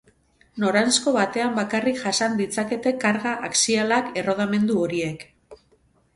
Noranzko batean bakarrik jasan ditzakete karga axialak errodamendu horiek.